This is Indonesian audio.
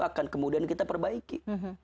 akan kemudian kita perbaiki